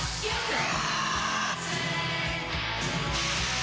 あ！